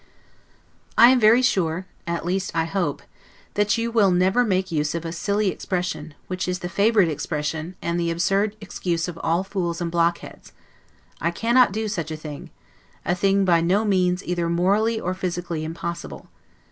I am very sure, at least I hope, that you will never make use of a silly expression, which is the favorite expression, and the absurd excuse of all fools and blockheads; I CANNOT DO SUCH A THING; a thing by no means either morally or physically impossible.